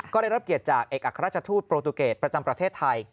ก็ได้รับเกียรติจากเอกอัครราชทูตโปรตูเกตประจำประเทศไทย